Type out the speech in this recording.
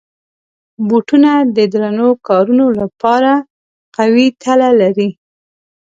بوټونه د درنو کارونو لپاره قوي تله لري.